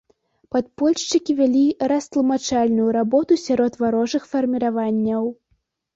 Падпольшчыкі вялі растлумачальную работу сярод варожых фарміраванняў.